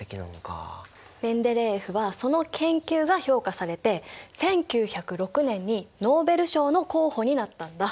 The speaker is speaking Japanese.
メンデレーエフはその研究が評価されて１９０６年にノーベル賞の候補になったんだ。